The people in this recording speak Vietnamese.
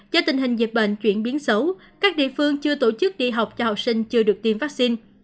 do tình hình dịch bệnh chuyển biến xấu các địa phương chưa tổ chức đi học cho học sinh chưa được tiêm vaccine